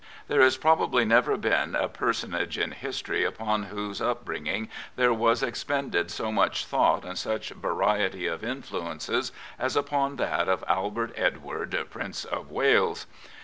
There has probably never been a personage" in history upon whose 9 Prophets, Priests, and Kings Upbringing there was expended so much thought and such variety of influences as upon that of Albert Edward, Prince of Wales.